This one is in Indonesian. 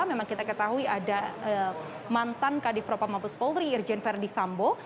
memang kita ketahui ada mantan kadif propam mabes polri irjen verdi sambo